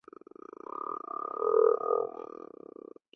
她的地位次于正宫皇后八不沙。